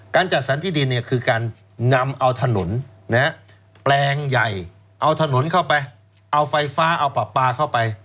จัดสรรที่ดินคือการนำเอาถนนแปลงใหญ่เอาถนนเข้าไปเอาไฟฟ้าเอาปลาปลาเข้าไป